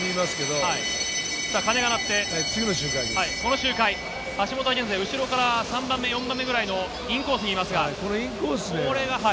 鐘が鳴って、この周回、橋本は現在、後ろから３番目、４番目ぐらいのインコースにいます。